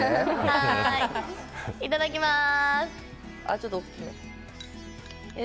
いただきます！